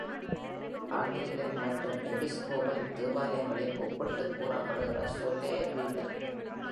Anglican மற்றும் Episcopal தேவாலயங்களில் ஒப்பிட்டுக் கூறப்படுகிற சொல் லே ரீடர்.